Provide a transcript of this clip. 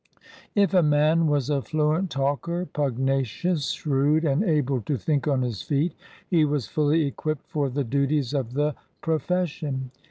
If a man was a fluent talker, pugna cious, shrewd, and able "to think on his feet," he was fully equipped for the duties of the profes sion.